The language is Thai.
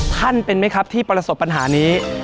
ท่านเป็นไหมครับที่ประสบปัญหานี้